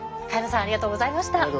萱野さんありがとうございました。